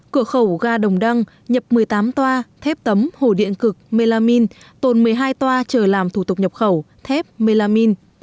cửa khẩu ga đồng đăng nhập một mươi tám toa thép tấm hồ điện cực melamin tồn một mươi hai toa chờ làm thủ tục nhập khẩu thép melamin